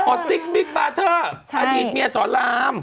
ติ๊กบิ๊กบาร์เทอร์อดีตเมียสอนราม